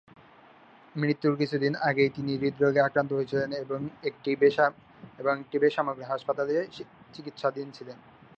মৃত্যুর কিছুদিন আগে তিনি হৃদরোগে আক্রান্ত হয়েছিলেন এবং একটি বেসরকারি হাসপাতালে চিকিৎসাধীন ছিলেন।